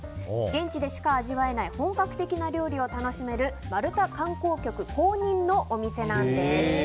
現地でしか味わえない本格的な料理を楽しめるマルタ観光局公認のお店なんです。